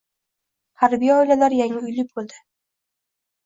Harbiy oilalar yangi uyli bo‘ldi